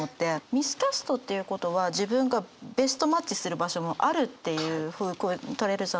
ミスキャストっていうことは自分がベストマッチする場所もあるっていうふうにとれるじゃないですか。